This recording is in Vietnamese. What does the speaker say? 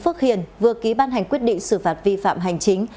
phước hiền vừa ký ban hành quyết định xử phạt vi phạm hành chính